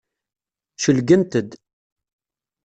Celgent-d.